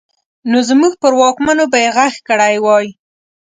نو زموږ پر واکمنو به يې غږ کړی وای.